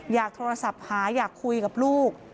อยากโทรศัพท์หาอยากคุยกับลูก